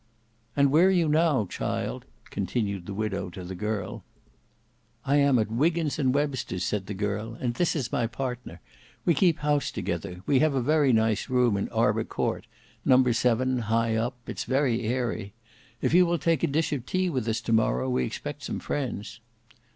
'" "And where are you now, child?" continued the widow to the girl. "I am at Wiggins and Webster's," said the girl; "and this is my partner. We keep house together; we have a very nice room in Arbour Court, No. 7, high up; it's very airy. If you will take a dish of tea with us to morrow, we expect some friends."